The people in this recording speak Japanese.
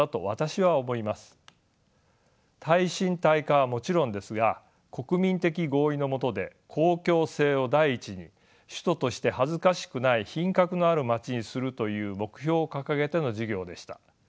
耐震・耐火はもちろんですが国民的合意のもとで公共性を第一に首都として恥ずかしくない品格のある街にするという目標を掲げての事業でした。